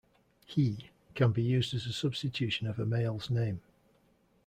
"He" can be used as a substitution of a male's name.